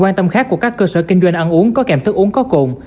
quan tâm khác của các cơ sở kinh doanh ăn uống có kèm thức uống có cồn